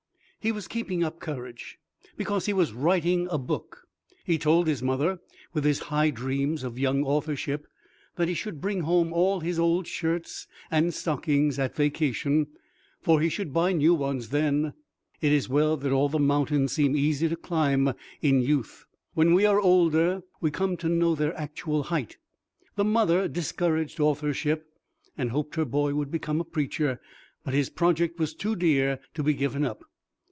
He was keeping up courage, because he was writing a book! He told his mother, with his high dreams of young authorship, that he should bring home all his old shirts and stockings at vacation, for he should buy new ones then! It is well that all the mountains seem easy to climb in youth; when we are older, we come to know their actual height. The mother discouraged authorship, and hoped her boy would become a preacher; but his project was too dear to be given up.